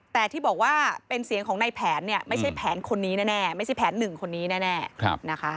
แต่ที่บอกว่าเป็นเสียงของในแผนเนี่ยไม่ใช่แผนคนนี้แน่ไม่ใช่แผนหนึ่งคนนี้แน่นะคะ